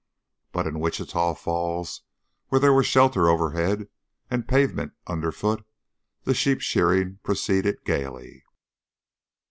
But in Wichita Falls, where there was shelter overhead and pavements underfoot, the sheep shearing proceeded gayly.